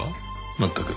全く。